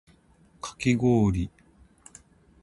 かきごおり